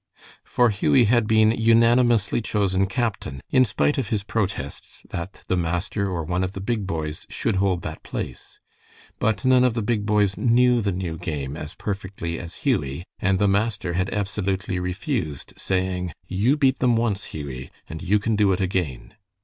For Hughie had been unanimously chosen captain, in spite of his protests that the master or one of the big boys should hold that place. But none of the big boys knew the new game as perfectly as Hughie, and the master had absolutely refused, saying, "You beat them once, Hughie, and you can do it again."